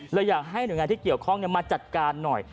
เลยอยากให้หน่วยงานที่เกี่ยวข้องมาจัดการหน่อย